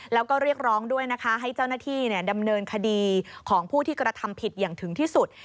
แล้วก็เรียกร้องด้วยนะคะให้เจ้าหน้าที่ดำเนินคดีของผู้ที่กระทำผิดอย่างถึงที่สุด